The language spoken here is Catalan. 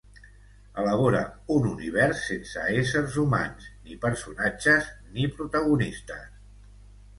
Elabora un univers sense éssers humans, ni personatges, ni protagonistes.